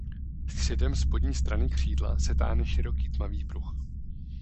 Středem spodní strany křídla se táhne široký tmavý pruh.